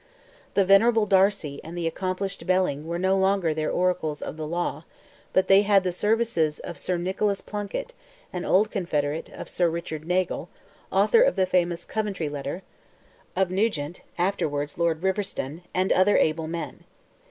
The venerable Darcy and the accomplished Belling were no longer their oracles of the law; but they had the services of Sir Nicholas Plunkett, an old confederate, of Sir Richard Nagle, author of the famous "Coventry Letter," of Nugent, afterwards Lord Riverston, and other able men.